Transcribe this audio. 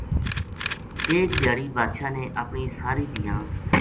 ایک دھیاڑی بادشاہ نے اپنی ساری دھیاں